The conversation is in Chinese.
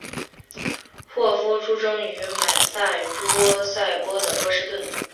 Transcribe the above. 霍夫出生于马萨诸塞州的波士顿。